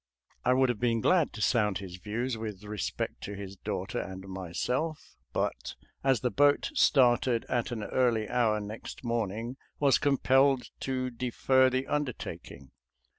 I would have been glad to sound his views with respect to his daughter and myself, but, as the boat started at an early hour next morn ing, was compelled to defer the undertaking.